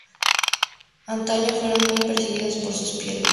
Antaño fueron muy perseguidos por sus pieles.